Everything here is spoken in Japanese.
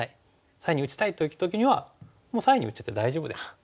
左辺に打ちたい時にはもう左辺に打っちゃって大丈夫です。